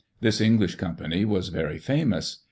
This English company was very famous.